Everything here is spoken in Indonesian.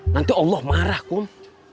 nanti allah marah kum